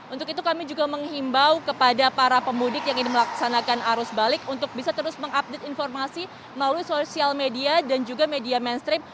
untuk itu kami juga menghimbau kepada para pemudik yang ingin melaksanakan arus balik untuk bisa terus mengupdate informasi melalui sosial media dan juga media mainstream